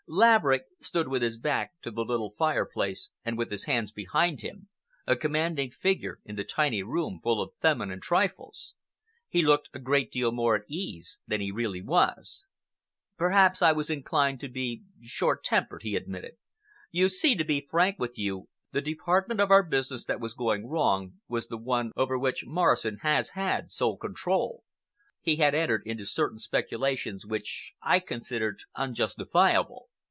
Laverick stood with his back to the little fireplace and with his hands behind him—a commanding figure in the tiny room full of feminine trifles. He looked a great deal more at his ease than he really was. "Perhaps I was inclined to be short tempered," he admitted. "You see, to be frank with you, the department of our business that was going wrong was the one over which Morrison has had sole control. He had entered into certain speculations which I considered unjustifiable.